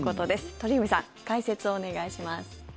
鳥海さん、解説をお願いします。